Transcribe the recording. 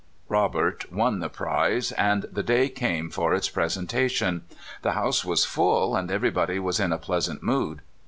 Robert won the prize, and the day came for its presentation. The house was full, and everybody was in a pleasant mood.